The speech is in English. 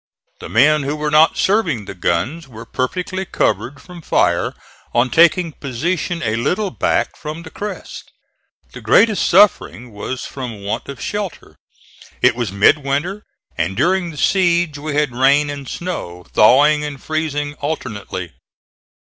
The men who were not serving the guns were perfectly covered from fire on taking position a little back from the crest. The greatest suffering was from want of shelter. It was midwinter and during the siege we had rain and snow, thawing and freezing alternately.